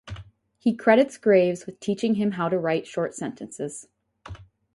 He credits Graves with teaching him how to write short sentences.